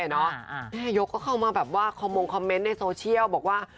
แม่ยกก็เข้ามาแบบว่าคอมมงคอมเมนต์ในโซเชียลบอกว่า